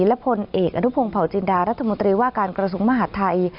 และพลเอกอนุพงศ์เผาจินดารัฐมนตรีว่าการกระทรวงมหาดไทย